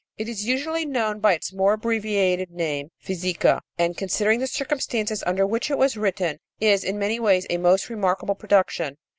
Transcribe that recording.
It is usually known by its more abbreviated name, Physica, and, considering the circumstances under which it was written, is, in many ways, a most remarkable production.